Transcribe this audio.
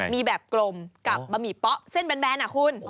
มีแบบกลมกับบะหมี่เป๊ะเส้นแบนคุณ